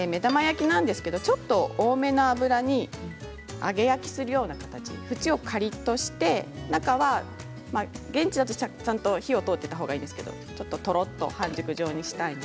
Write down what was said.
ちょっと多めの油に揚げ焼きをするような形で外は、カリっとして、中は現地だとちゃんと火が通っていたほうがいいんですけれどとろっとさせます。